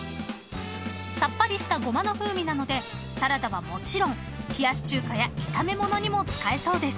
［さっぱりしたごまの風味なのでサラダはもちろん冷やし中華や炒め物にも使えそうです］